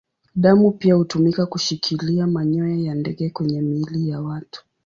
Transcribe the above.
Damu pia hutumika kushikilia manyoya ya ndege kwenye miili ya watu.